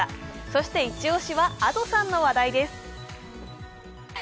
そしてイチ押しはＡｄｏさんの話題です。